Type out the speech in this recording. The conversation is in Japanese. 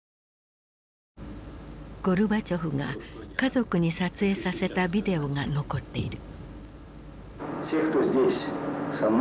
ゴルバチョフが家族に撮影させたビデオが残っている。